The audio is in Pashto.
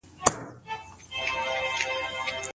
پوهان او متفکرین د دلارام د ځوان نسل په روزلو کي پوره هڅه کوي